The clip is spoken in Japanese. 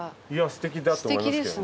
素敵だと思いますけどね。